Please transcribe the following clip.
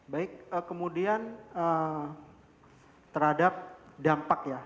baik kemudian terhadap dampak ya